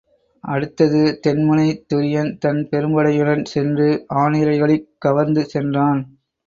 அடுத்தது தென் முனை துரியன் தன் பெரும்படையுடன் சென்று ஆநிரைகளைக் கவர்ந்து சென்றான்.